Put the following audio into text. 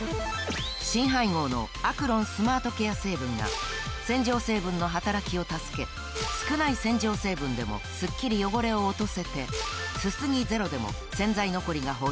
新配合のアクロンスマートケア成分が洗浄成分の働きを助け少ない洗浄成分でもスッキリ汚れを落とせてすすぎ０でも洗剤残りがほとんどないんです